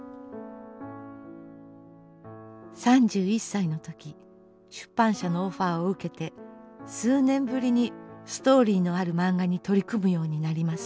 ３１歳の時出版社のオファーを受けて数年ぶりにストーリーのある漫画に取り組むようになります。